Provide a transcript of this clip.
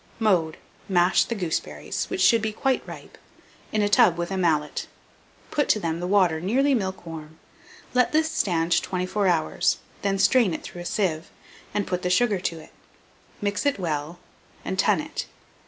Mode. Mash the gooseberries (which should be quite ripe) in a tub with a mallet; put to them the water nearly milk warm; let this stand 24 hours; then strain it through a sieve, and put the sugar to it; mix it well, and tun it.